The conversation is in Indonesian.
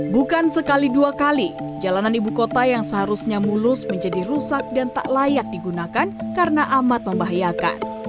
bukan sekali dua kali jalanan ibu kota yang seharusnya mulus menjadi rusak dan tak layak digunakan karena amat membahayakan